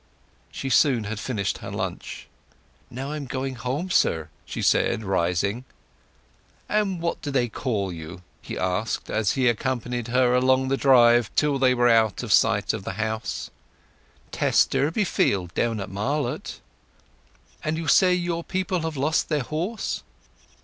She soon had finished her lunch. "Now I am going home, sir," she said, rising. "And what do they call you?" he asked, as he accompanied her along the drive till they were out of sight of the house. "Tess Durbeyfield, down at Marlott." "And you say your people have lost their horse?"